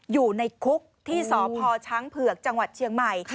อยู่ในคุกที่สพช้างเผือกจังหวัดเชียงใหม่